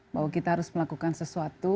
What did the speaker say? bahwa kita harus melakukan sesuatu